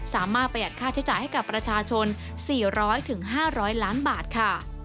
ประหยัดค่าใช้จ่ายให้กับประชาชน๔๐๐๕๐๐ล้านบาทค่ะ